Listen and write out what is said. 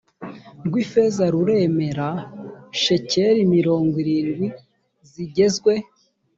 rw ifeza rurem ra shekeli mirongo irindwi zigezwe